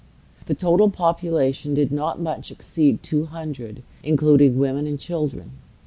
The total population did not much exceed two hundred, including women and children.